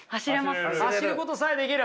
走ることさえできる。